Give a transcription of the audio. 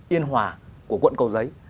yên hòa của quận cầu giấy